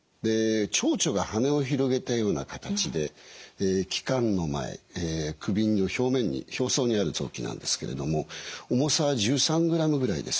ちょうちょが羽を広げたような形で気管の前首の表層にある臓器なんですけれども重さは１３グラムぐらいです。